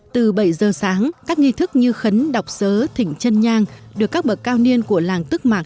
từ bảy giờ sáng các nghi thức như khấn đọc sớ thỉnh chân nhang được các bậc cao niên của làng tức mạc